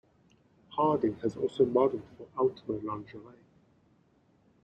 Harding has also modelled for Ultimo lingerie.